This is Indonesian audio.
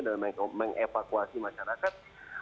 dan mengevakuasi masyarakat